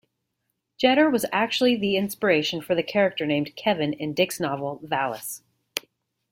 Jeter was actually the inspiration for the character named "Kevin" in Dick's novel, "Valis".